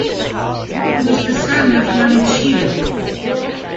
He was the son of Manuchihr.